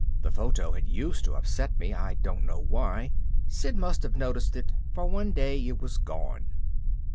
The photo had used to upset me, I don't know why. Sid must have noticed it, for one day it was gone.